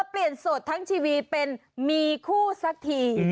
เปลี่ยนโสดทั้งชีวีเป็นมีคู่ซักที